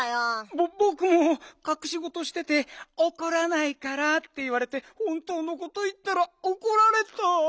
ぼぼくもかくしごとしてて「おこらないから」っていわれてほんとうのこといったらおこられた。